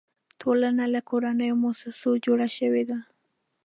ټولنه له کورنیو او مؤسسو جوړه شوې ده.